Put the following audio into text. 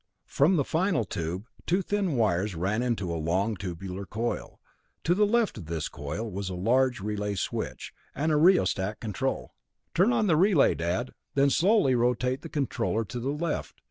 From the final tube two thin wires ran to a long tubular coil. To the left of this coil was a large relay switch, and a rheostat control. "Turn on the relay, Dad, then slowly rotate the controller to the left.